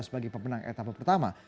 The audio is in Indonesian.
sebagai pemenang etapa pertama